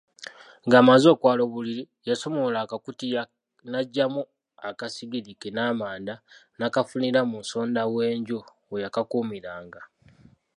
Ng’amaze okwala obuliri, yasumulula akakutiya n’aggyamu akasigiri ke n’amanda, n’akafunira mu nsonda w’enju we yakakuumiranga.